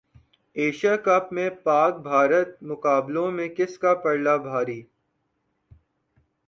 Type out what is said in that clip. Asia Cup میں پاک بھارت مقابلوں میں کس کا پلڑا بھاری